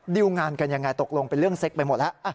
งานกันยังไงตกลงเป็นเรื่องเซ็กไปหมดแล้ว